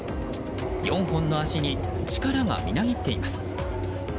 ４本の脚に力がみなぎっています。